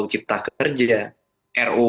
akan menghasilkan masalah masalah baru di masyarakat